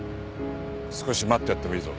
少し待ってやってもいいぞ。